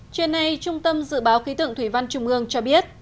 trên này trung tâm dự báo khí tượng thủy văn trung ương cho biết